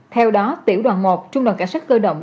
theo đó tiểu đoàn một trung đoàn cảnh sát cơ động